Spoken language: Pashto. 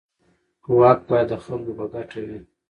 واک باید د خلکو په ګټه وي.